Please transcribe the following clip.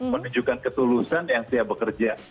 menunjukkan ketulusan yang siap bekerja